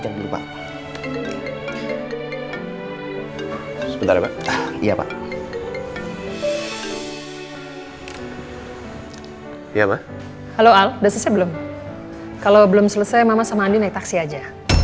kalau belum selesai mama sama andin naik taksi aja